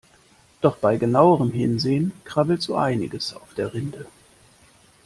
Doch bei genauerem Hinsehen krabbelt so einiges auf der Rinde.